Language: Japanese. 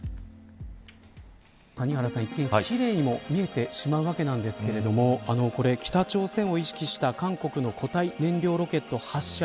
谷原さん、一見奇麗にも見えてしまうわけなんですが北朝鮮を意識した韓国の固体燃料ロケット発射